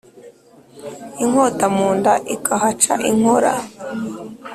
inkota munda ikahaca inkora